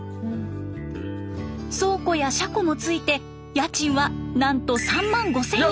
倉庫や車庫もついて家賃はなんと３万５，０００円。